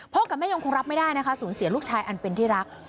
กับแม่ยังคงรับไม่ได้นะคะสูญเสียลูกชายอันเป็นที่รัก